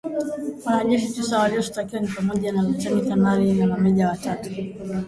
Wanajeshi tisa walioshtakiwa ni pamoja na lutein, kanali na mameja watatu